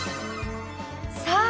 さあ